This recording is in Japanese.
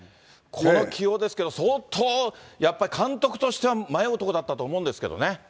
この起用ですけど、相当、やっぱり監督としては迷うところだったと思うんですけどね。